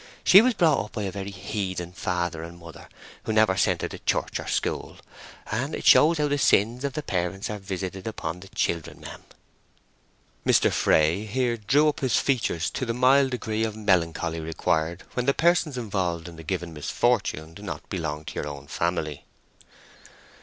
She was brought up by a very heathen father and mother, who never sent her to church or school, and it shows how the sins of the parents are visited upon the children, mem." Mr. Fray here drew up his features to the mild degree of melancholy required when the persons involved in the given misfortune do not belong to your own family.